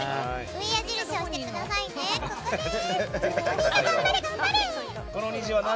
みんな、頑張れ、頑張れ。